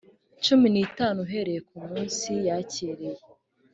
cumi n’itanu uhereye ku munsi yakiriye